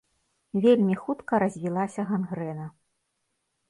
Вельмі хутка развілася гангрэна.